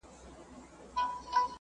زه کولای سم لاس پرېولم.